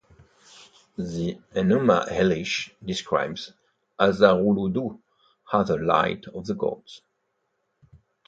The "Enuma Elish" describes Asaruludu as "the light of the gods".